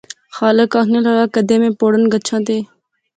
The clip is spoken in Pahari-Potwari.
خالق آخنے لاغا کیدے میں پوڑں کچھاں تے؟